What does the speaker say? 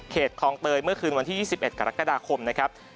คลองเตยเมื่อคืนวันที่๒๑กรกฎาคมนะครับ